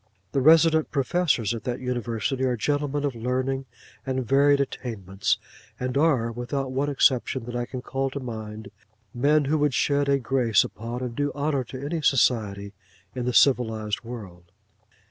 The resident professors at that university are gentlemen of learning and varied attainments; and are, without one exception that I can call to mind, men who would shed a grace upon, and do honour to, any society in the civilised world.